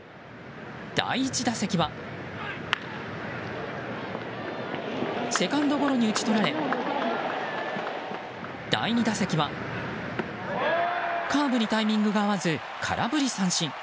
第１打席はセカンドゴロに打ち取られ第２打席は、カーブにタイミングが合わず空振り三振。